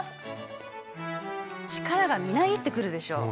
力がみなぎってくるでしょう？